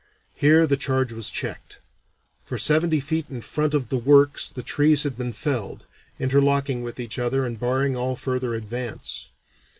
Here the charge was checked. For seventy feet in front of the works the trees had been felled, interlocking with each other and barring all further advance.